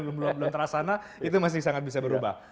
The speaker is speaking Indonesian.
selama pemilih belum teras sana itu masih sangat bisa berubah